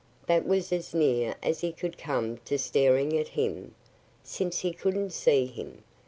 That was as near as he could come to staring at him, since he couldn't see him.